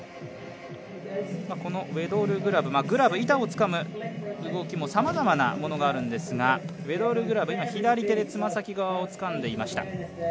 このウェドルグラブ板をつかむ動きもさまざまなものがあるんですがウェドルグラブ、今、左手で爪先側をつかんでいました。